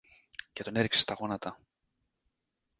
και τον έριξε στα γόνατα.